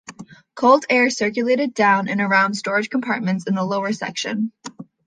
Cold air circulated down and around storage compartments in the lower section.